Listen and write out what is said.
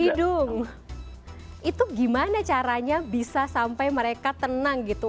hidung itu gimana caranya bisa sampai mereka tenang gitu